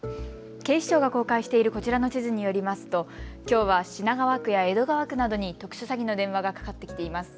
警視庁が公開しているこちらの地図によりますときょうは品川区や江戸川区などに特殊詐欺の電話がかかってきています。